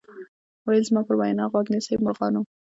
ویل زما پر وینا غوږ نیسۍ مرغانو